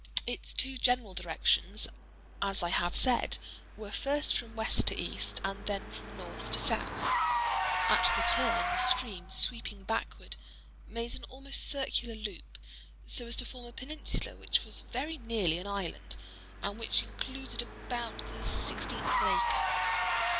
Its two general directions, as I have said, were first from west to east, and then from north to south. At the turn, the stream, sweeping backward, made an almost circular loop, so as to form a peninsula which was very nearly an island, and which included about the sixteenth of an acre.